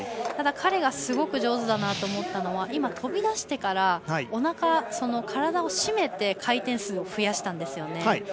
ただ、彼がすごく上手だなと思ったのは今、飛び出してからおなか、体を締めて回転数を増やしたんですね。